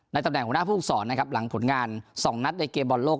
ในตำแหน่งหัวหน้าภูมิสอนนะครับหลังผลงานสองนัดในเกมบอลโลก